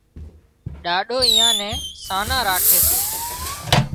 ڏاڏو ايئان نين سانان راکي سي